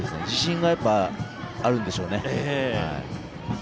自信があるんでしょうね。